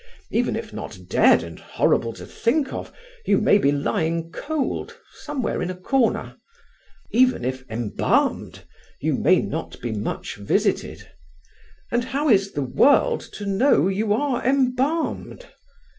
Even if not dead and horrible to think of, you may be lying cold, somewhere in a corner. Even if embalmed, you may not be much visited. And how is the world to know you are embalmed?